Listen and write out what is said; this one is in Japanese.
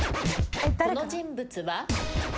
この人物は？